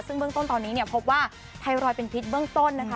ซึ่งเบื้องต้นตอนนี้เนี่ยพบว่าไทรอยด์เป็นพิษเบื้องต้นนะคะ